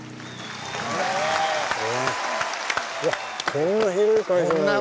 こんな広い会場なんだ。